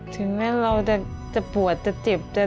ถึงแม้เราจะปวดจะเจ็บ